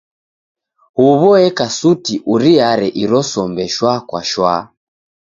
Huw'o eka suti uriare iro sombe shwa kwa shwa.